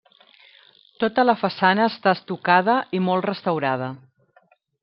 Tota la façana està estucada i molt restaurada.